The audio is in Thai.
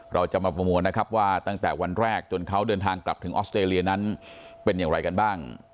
เราจะมาประมวลนะครับว่าตั้งแต่วันแรกจนเขาเดินทางกลับถึงออสเตรเลียนั้นเป็นอย่างไรกันบ้าง